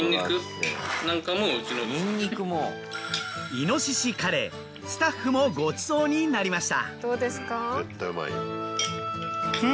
イノシシカレースタッフもごちそうになりました。